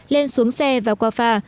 lên xuống xe và qua phà